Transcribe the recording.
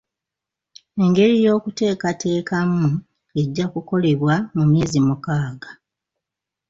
Engeri y'okuteekateekamu ejja kukolebwa mu myezi mukaaga.